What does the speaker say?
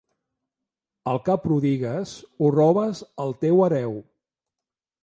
El que prodigues, ho robes al teu hereu.